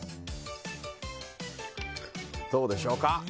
どうでしょうか。